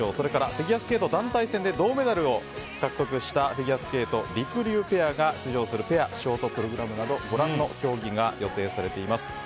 それからフィギュアスケート団体戦で銅メダルを獲得したフィギュアスケートりくりゅうペアが出場するペアのショートプログラムなどご覧の競技が予定されています。